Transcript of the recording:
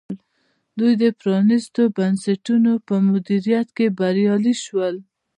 دوی د پرانیستو بنسټونو په مدیریت کې بریالي شول.